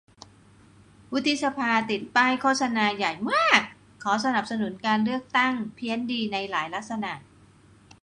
วุฒิสภา ติดป้ายโฆษณาใหญ่มวาก "ขอสนับสนุนการเลือกตั้ง" เพี้ยนดี ในหลายลักษณะ